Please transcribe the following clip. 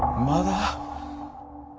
まだ？